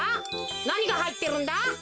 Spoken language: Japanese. なにがはいってるんだ？